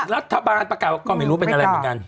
รัฐบาลประกาศว่าก็ไม่รู้เป็นอะไรเหมือนกัน